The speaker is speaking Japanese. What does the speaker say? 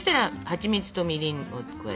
はちみつとみりん？